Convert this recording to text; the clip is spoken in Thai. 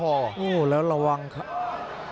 โอ้โหแล้วระวังครับ